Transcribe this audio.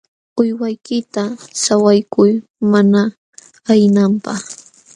Uywaykita sawaykuy mana ayqinanpaq.